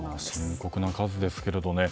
深刻な数ですけどもね。